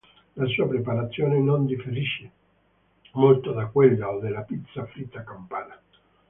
La sua preparazione non differisce molto da quella o della pizza fritta campana.